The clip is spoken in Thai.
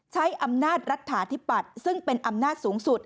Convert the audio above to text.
ใช้อำนาจรัฐฐาธิปัตย์ซึ่งเป็นอำนาจสูงสุด